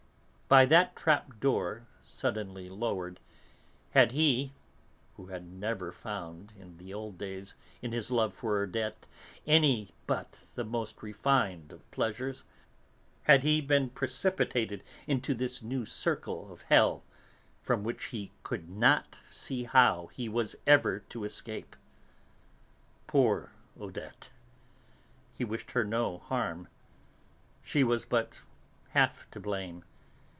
By what trap door, suddenly lowered, had he (who had never found, in the old days, in his love for Odette, any but the most refined of pleasures) been precipitated into this new circle of hell from which he could not see how he was ever to escape. Poor Odette! He wished her no harm. She was but half to blame.